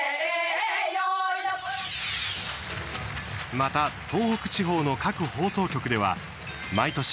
また東北地方の各放送局では毎年